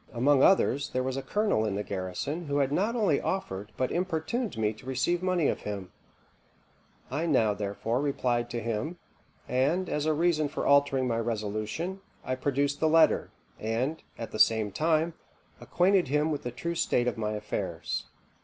"Among others there was a colonel in the garrison who had not only offered but importuned me to receive money of him; I now, therefore, repaired to him; and, as a reason for altering my resolution, I produced the letter, and, at the same time, acquainted him with the true state of my affairs.